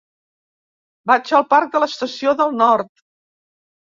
Vaig al parc de l'Estació del Nord.